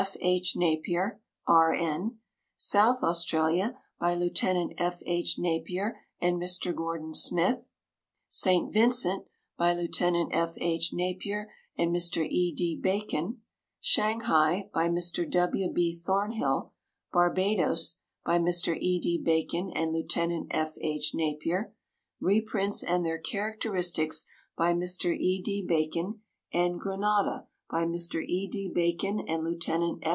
F. H. Napier, R.N.; South Australia, by Lieut. F. H. Napier and Mr. Gordon Smith; St. Vincent, by Lieut. F. H. Napier and Mr. E. D. Bacon; Shanghai, by Mr. W. B. Thornhill; Barbados, by Mr. E. D. Bacon and Lieut. F. H. Napier; Reprints and their Characteristics, by Mr. E.D. Bacon; and Grenada, by Mr. E. D. Bacon and Lieut.